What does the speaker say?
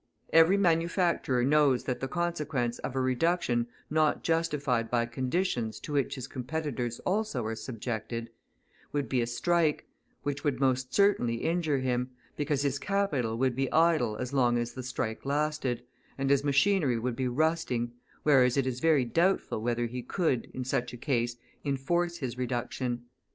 Every manufacturer knows that the consequence of a reduction not justified by conditions to which his competitors also are subjected, would be a strike, which would most certainly injure him, because his capital would be idle as long as the strike lasted, and his machinery would be rusting, whereas it is very doubtful whether he could, in such a case, enforce his reduction.